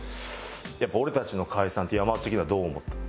やっぱ俺たちの解散って山内的にはどう思った？